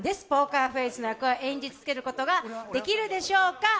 ポーカーフェースの役を演じ続けることができるでしょうか。